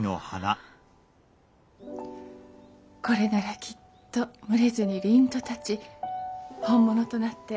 これならきっと群れずに凛と立ち本物となって咲いてくれるわ。